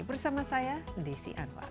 bersama saya desi anwar